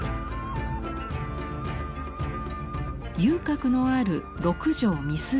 遊郭のある六条三筋町。